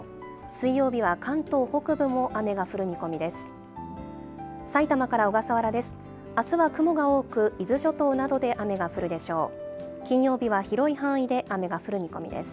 水曜日は関東北部も雨が降る見込みです。